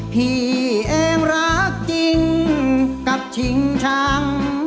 พี่เองรักจริงกับชิงชัง